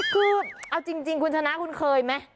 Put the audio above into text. คือเอาจริงคุณชนะคุณเคยไหม